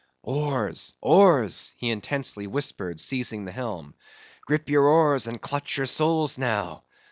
"Oars! Oars!" he intensely whispered, seizing the helm—"gripe your oars, and clutch your souls, now!